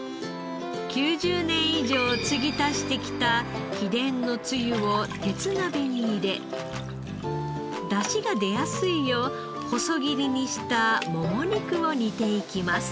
９０年以上つぎ足してきた秘伝のつゆを鉄鍋に入れだしが出やすいよう細切りにしたもも肉を煮ていきます。